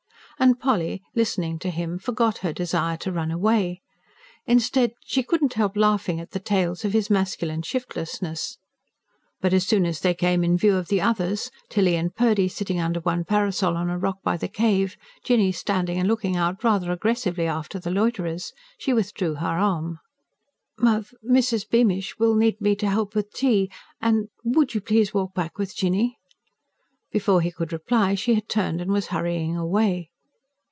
And Polly, listening to him, forgot her desire to run away. Instead, she could not help laughing at the tales of his masculine shiftlessness. But as soon as they came in view of the others, Tilly and Purdy sitting under one parasol on a rock by the cave, Jinny standing and looking out rather aggressively after the loiterers, she withdrew her arm. "Moth ... Mrs. Beamish will need me to help her with tea. And ... and WOULD you please walk back with Jinny?" Before he could reply, she had turned and was hurrying away.